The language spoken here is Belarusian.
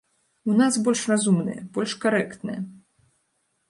У нас больш разумная, больш карэктная.